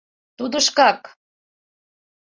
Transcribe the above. — Тудо шкак...